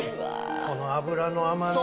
この脂の甘みとね。